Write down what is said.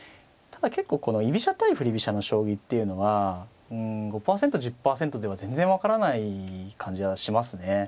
ただ結構この居飛車対振り飛車の将棋っていうのは５％１０％では全然分からない感じはしますね。